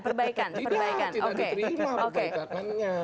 tidak tidak diterima perbaikan nya